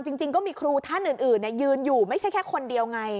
จริงก็มีครูท่านอื่นยืนอยู่ไม่ใช่แค่คนเดียวไง